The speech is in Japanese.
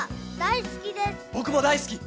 僕も大好き！